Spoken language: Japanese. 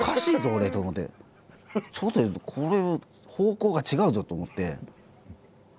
ちょっとこれ方向が違うぞと思って。